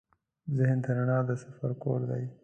ذهن د رڼا د سفر کور دی.